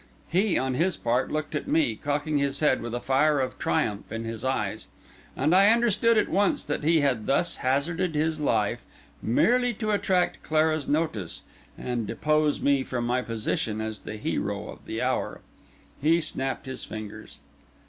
He, on his part, looked at me, cocking his head, with a fire of triumph in his eyes; and I understood at once that he had thus hazarded his life, merely to attract Clara's notice, and depose me from my position as the hero of the hour. He snapped his fingers.